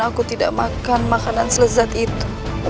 aku tidak makan makanan selezat itu